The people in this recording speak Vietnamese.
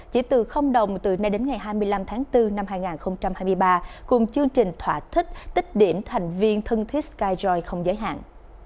chỉ từ đồng từ nay đến ngày hai mươi năm tháng bốn năm hai nghìn hai mươi ba cùng chương trình thỏa thích tích điểm thành viên thân thiết skyjoy không giới hạn